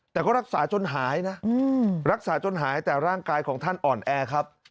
แต่ก็รักษาจนหายนะรักษาจนหายแต่ร่างกายของท่านอ่อนแอครับ